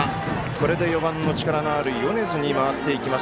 これで４番の、力のある米津に回っていきます。